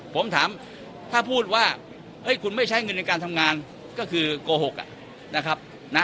ผมถามถ้าพูดว่าคุณไม่ใช้เงินในการทำงานก็คือโกหกนะครับ